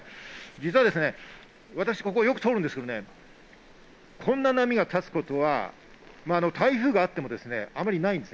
実は私、ここをよく通るんですけどね、こんな波が立つことは台風があっても、あまりないんです。